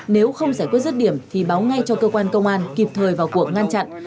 nếu không giải quyết rứt điểm thì báo ngay cho cơ quan công an kịp thời vào cuộc ngăn chặn